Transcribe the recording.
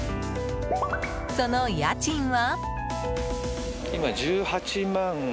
その家賃は？